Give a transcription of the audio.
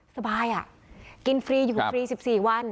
สบายกินฟรีอยู่ฟรี๑๔วัน